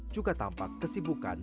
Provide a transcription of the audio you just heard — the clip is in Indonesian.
juga tampak kesibukan